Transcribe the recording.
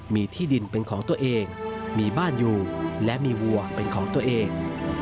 มีที่ดินเป็นของตัวเองมีบ้านอยู่และมีวัวเป็นของตัวเอง